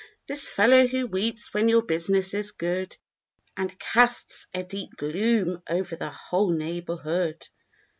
This fellow who weeps when your business is good. And casts a deep gloom o'er the whole neighborhood.